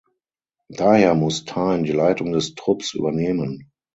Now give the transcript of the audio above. Daher muss Tyne die Leitung des Trupps übernehmen.